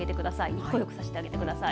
日光浴させてあげてください。